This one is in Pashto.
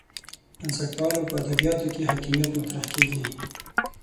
بنسټپالو په ادبیاتو کې حاکمیت مطرح کېږي.